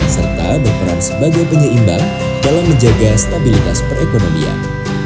serta berperan sebagai penyeimbang dalam menjaga stabilitas perekonomian